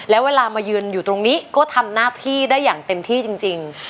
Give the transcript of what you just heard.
แล้วเวลามายืนอยู่ตรงนี้ก็ทำหน้าที่ได้อย่างเต็มที่จริง